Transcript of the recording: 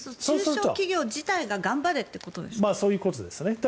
中小企業自体が頑張れということですか？